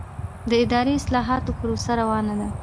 د اداري اصلاحاتو پروسه روانه ده؟